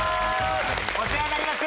お世話になります。